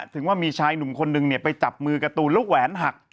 ถึงว่ามีชายหนุ่มคนนึงไปจับมือการ์ตูนแล้วแหวนหัก